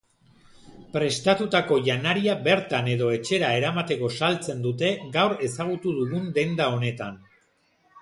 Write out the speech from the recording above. Prestatutako janaria bertan edo etxera eramateko saltzen dute gaur ezagutu dugun denda honetan.